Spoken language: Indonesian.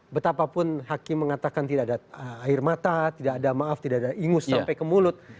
betapapun hakim mengatakan tidak ada air mata tidak ada maaf tidak ada ingus sampai ke mulut